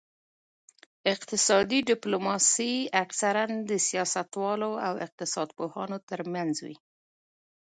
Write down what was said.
اقتصادي ډیپلوماسي اکثراً د سیاستوالو او اقتصاد پوهانو ترمنځ وي